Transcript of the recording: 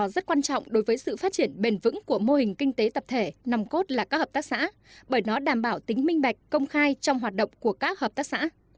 điều quan trọng đối với sự phát triển bền vững của mô hình kinh tế tập thể nằm cốt là các hợp tác xã bởi nó đảm bảo tính minh bạch công khai trong hoạt động của các hợp tác xã